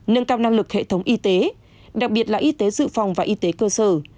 nâng cao năng lực hệ thống y tế đặc biệt là y tế dự phòng và y tế cơ sở